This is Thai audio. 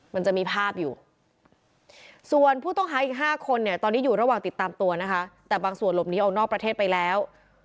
มันจะมีภาพอยู่ส่วนผู้ต้องหาอีก๕คนเนี่ยตอนนี้อยู่ระหว่างติดตามตัวนะคะแต่บางส่วนหลบหนีออกนอกประเทศไปแล้ว